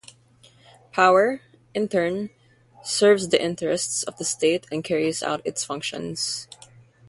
Power, in turn, serves the interests of the state and carries out its functions.